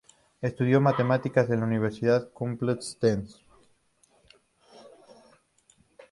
Estudió matemáticas en la Universidad Complutense.